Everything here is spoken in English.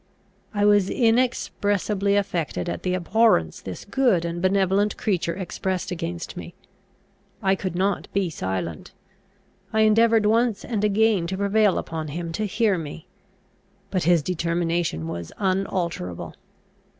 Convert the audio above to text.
I was inexpressibly affected at the abhorrence this good and benevolent creature expressed against me. I could not be silent; I endeavoured once and again to prevail upon him to hear me. But his determination was unalterable.